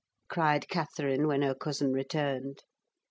cried Catherine, when her cousin returned.